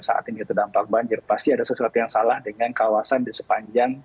saat ini terdampak banjir pasti ada sesuatu yang salah dengan kawasan di sepanjang